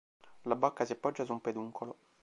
La bacca si appoggia su un peduncolo.